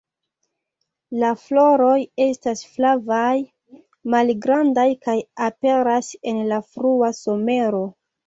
La floroj estas flavaj, malgrandaj kaj aperas en la frua somero.